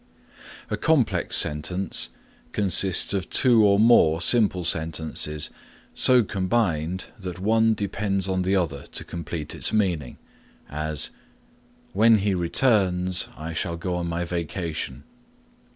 A complex sentence consists of two or more simple sentences so combined that one depends on the other to complete its meaning; as; "When he returns, I shall go on my vacation."